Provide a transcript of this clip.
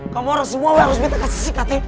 kamu orang semua lo harus minta kasih sikat ya